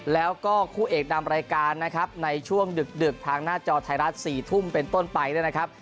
แล้วก็คู่เอกนำรายการนะครับในช่วงดึกทางหน้าจอไทยรัฐ๔ทุ่มเป็นต้นไปด้วยนะครับ